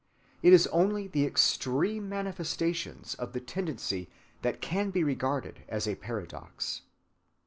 It is only the extreme manifestations of the tendency that can be regarded as a paradox.